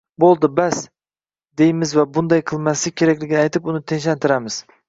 Bo`ldi bas, deymiz va bunday qilmaslik kerakligini aytib, uni tinchlantiramiz